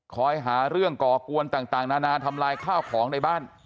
หาเรื่องก่อกวนต่างนานาทำลายข้าวของในบ้าน